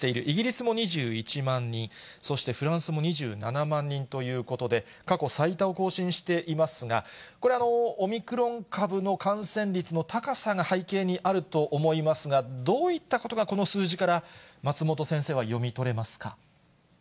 イギリスも２１万人、そしてフランスも２７万人ということで、過去最多を更新していますが、これ、オミクロン株の感染率の高さが背景にあると思いますが、どういったことが、この数字から松本先生は読み取れますか？